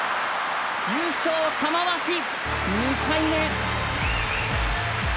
優勝玉鷲２回目！